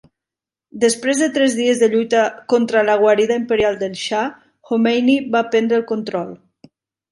Després de tres dies de lluita contra la guarida imperial del xa, Khomeini va prendre el control.